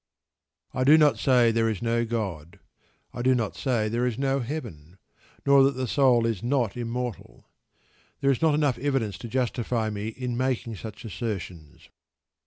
I do not say there is no God. I do not say there is no "Heaven," nor that the soul is not immortal. There is not enough evidence to justify me in making such assertions.